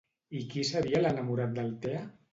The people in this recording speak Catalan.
I qui seria l'enamorat d'Altea?